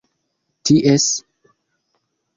ties